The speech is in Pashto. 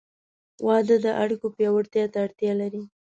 • واده د اړیکو پیاوړتیا ته اړتیا لري.